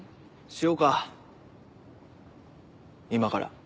しようか今から。